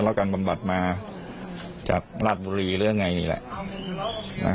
แล้วการบำบัดมาจากราชบุรีหรือยังไงนี่แหละ